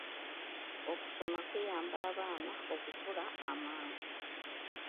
Okusoma kuyamba abaana okukula amangu.